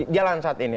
jalan saat ini